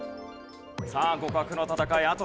さあ互角の戦い。